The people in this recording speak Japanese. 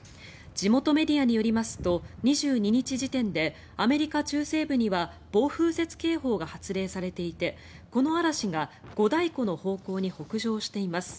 地元メディアによりますと２２日時点でアメリカ中西部には暴風雪警報が発令されていてこの嵐が五大湖の方向に北上しています。